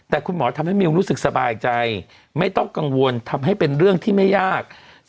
แต่คุณหมอทำให้มิวรู้สึกสบายใจไม่ต้องกังวลทำให้เป็นเรื่องที่ไม่ยาก